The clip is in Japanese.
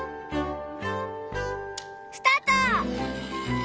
スタート！